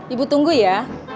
ibu tunggu ya